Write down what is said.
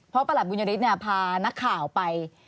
เพราะประหลัดบุญริษฐ์เนี่ยพานักข่าวไป